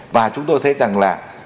và chúng tôi thấy rằng là